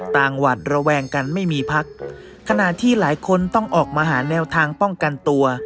หวัดระแวงกันไม่มีพักขณะที่หลายคนต้องออกมาหาแนวทางป้องกันตัว